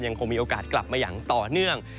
ยังคงมีโอกาสกลับมาอย่างต่อเนื่อง